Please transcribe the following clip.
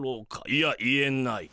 いやいえない。